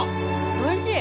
おいしい！